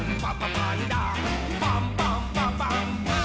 「パンパンパパンパンダ！」